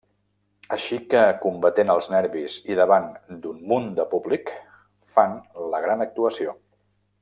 Així que, combatent els nervis i davant d’un munt de públic, fan la gran actuació.